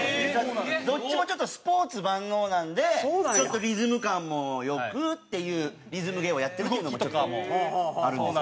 どっちもちょっとスポーツ万能なんでちょっとリズム感も良くっていうリズム芸をやってるっていうのもちょっとあるんですよね。